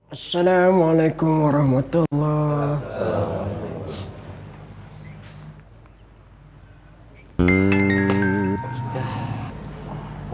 assalamualaikum warahmatullahi wabarakatuh